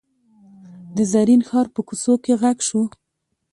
د زرین ښار په کوڅو کې غږ شو.